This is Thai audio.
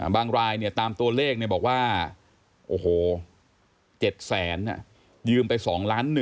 บางรายเนี่ยตามตัวเลขบอกว่า๗แสนยืมไป๒ล้าน๑